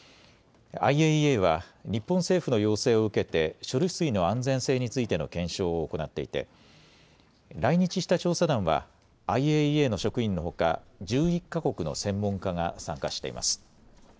ＩＡＥＡは日本政府の要請を受けて処理水の安全性についての検証を行っていて来日した調査団はＩＡＥＡの職員のほか、１１か国の専門家が参加しています。